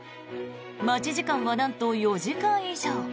待ち時間はなんと４時間以上。